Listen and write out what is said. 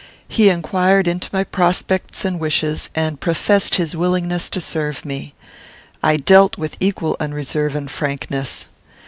He inquired into my prospects and wishes, and professed his willingness to serve me. I dealt with equal unreserve and frankness.